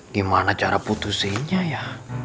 gimana cara putusinnya ya